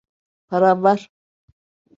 Param var.